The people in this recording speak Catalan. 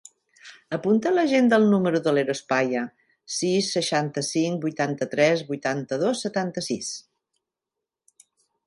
Apunta a l'agenda el número de l'Eros Paya: sis, seixanta-cinc, vuitanta-tres, vuitanta-dos, setanta-sis.